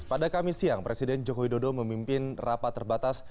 pada kamis siang presiden joko widodo memimpin rapat terbatas